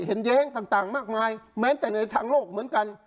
แย้งต่างมากมายแม้แต่ในทางโลกเหมือนกัน